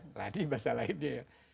keladi bahasa lainnya ya